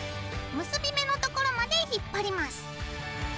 結び目のところまで引っ張ります。